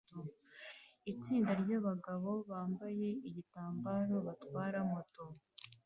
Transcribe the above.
Itsinda ryabagabo bambaye igitambaro batwara moto